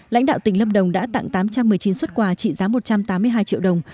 lãnh đạo tỉnh lâm đồng đã tặng tám trăm một mươi chín xuất quà trị giá một trăm tám mươi hai triệu đồng